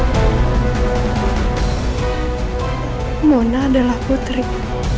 pakir man lmg hai bicherung